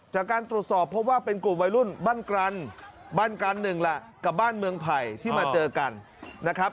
จากการตรวจสอบพบว่าเป็นกลุ่มวัยรุ่นบ้านกรันบ้านกันหนึ่งล่ะกับบ้านเมืองไผ่ที่มาเจอกันนะครับ